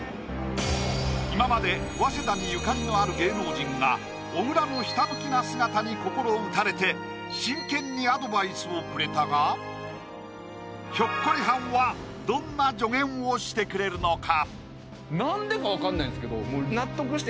今まで早稲田にゆかりのある芸能人が小倉のひたむきな姿に心打たれて真剣にアドバイスをくれたがひょっこりはんはどんな助言をしてくれるのか？